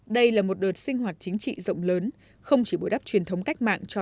đây là một đợt sinh hoạt chính trị rộng lớn không chỉ bồi đắp truyền thống cách mạng cho